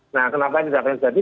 nah kenapa tidak terjadi